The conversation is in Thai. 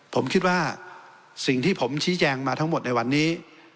ผมคิดว่าสิ่งที่ผมชี้แจงมาทั้งหมดในวันนี้